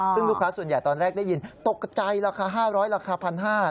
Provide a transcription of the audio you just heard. ซึ่งลูกค้าส่วนใหญ่ตอนแรกได้ยินตกใจราคา๕๐๐ราคา๑๕๐๐บาท